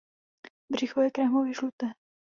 Břicho je krémově žluté.